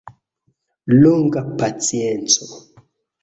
Longa pacienco.